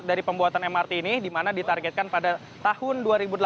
dari pembuatan mrt ini di mana ditargetkan pada tahun dua ribu delapan belas